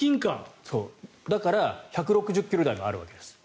だから、１６０ｋｍ台もあるわけです。